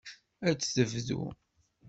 Ad tebdu.